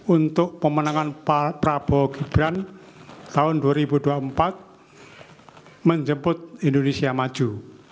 untuk pemenangan prabowo gibran tahun dua ribu dua puluh empat menjemput indonesia maju